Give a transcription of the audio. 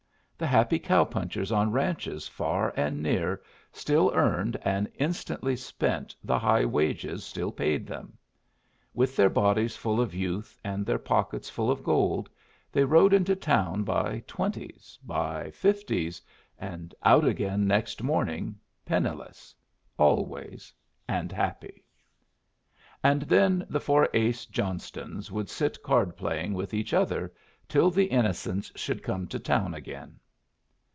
The happy cow punchers on ranches far and near still earned and instantly spent the high wages still paid them. With their bodies full of youth and their pockets full of gold, they rode into town by twenties, by fifties, and out again next morning, penniless always and happy. And then the Four ace Johnstons would sit card playing with each other till the innocents should come to town again.